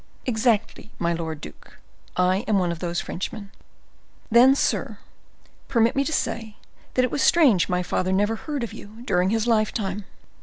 "Exactly, my lord duke, I am one of those Frenchmen." "Then, sir, permit me to say that it was strange my father never heard of you during his lifetime."